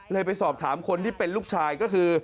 ไปสอบถามคนที่เป็นลูกชายก็คือ